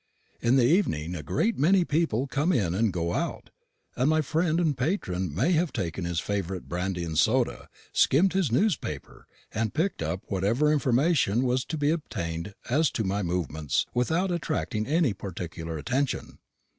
In the evening a great many people come in and go out; and my friend and patron may have taken his favourite brandy and soda, skimmed his newspaper, and picked up whatever information was to be obtained as to my movements without attracting any particular attention.